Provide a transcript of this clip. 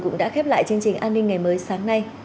cũng đã khép lại chương trình an ninh ngày mới sáng nay